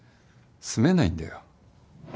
住めないんだよ。